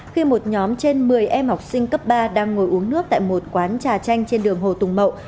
khi một nhóm trên một mươi em học sinh cấp ba đang ngồi uống nước tại một quán trà chanh trên đường hồ tùng mậu